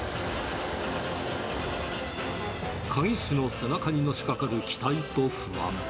鍵師の背中にのしかかる期待と不安。